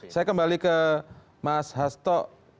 saya kembali ke mas hasto